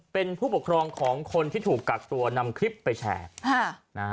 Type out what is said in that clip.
เป็นผู้ปกครองของคนที่ถูกกักตัวนำคลิปไปแชร์